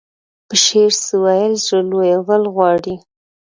په شعر څه ويل زړه لويول غواړي.